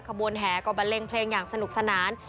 ขบวนแห่ก็บันเลงเพลงอย่างสนุกสนาน